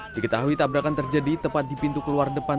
diketahui tabrakan terjadi tepat di pintu keluar depan